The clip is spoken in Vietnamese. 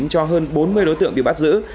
cho hơn bốn mươi đối tượng bị bắt giữ